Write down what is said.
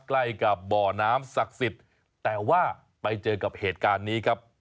ใกล้กับบ่อน้ำศักดิ์สิทธิ์แต่ว่าไปเจอกับเหตุการณ์นี้ครับ